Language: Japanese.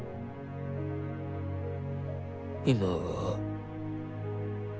今は？